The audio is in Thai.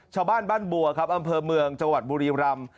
ชาวบ้านบ้านบัวครับอำเภอเมืองจังหวัดบุรีรำ